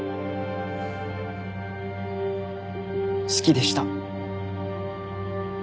好きでした。